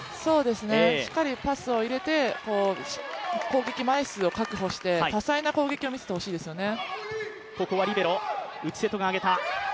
しっかりパスを入れて攻撃枚数を確保して多彩な攻撃を見せてほしいですよね。